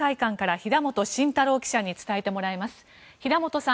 平元さん